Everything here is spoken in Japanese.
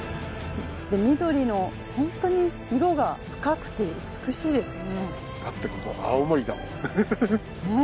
緑のホントに色が深くて美しいですね。